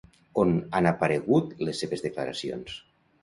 On han aparegut les seves declaracions?